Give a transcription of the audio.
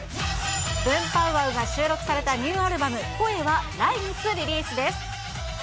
ブンパウワウ！が収録されたニューアルバム、声は来月リリースです。